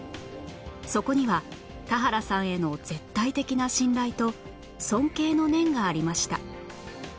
そこには田原さんへの絶対的な信頼と尊敬の念がありました